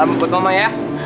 sampai jumpa mama ya